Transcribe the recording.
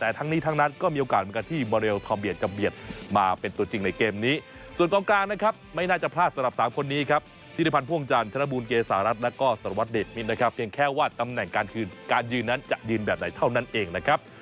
และก็สรวจเดชมินทร์นะครับแค่ว่าตำแหน่งการคืนการยืนนั้นจะยืนแบบไหนเท่านั้นเองนะครับ